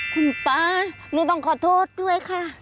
คุณป๊าหนูต้องขอโทษด้วยค่ะ